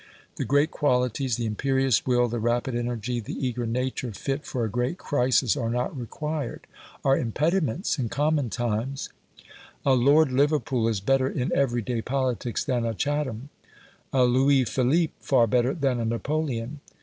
The great qualities, the imperious will, the rapid energy, the eager nature fit for a great crisis are not required are impediments in common times; A Lord Liverpool is better in everyday politics than a Chatham a Louis Philippe far better than a Napoleon.